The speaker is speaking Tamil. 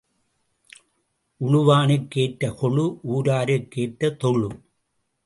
உழுவானுக்கு ஏற்ற கொழு ஊராருக்கு ஏற்ற தொழு.